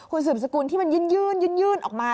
คุณสุบสกุลที่มันยืนยื่นยืนออกมา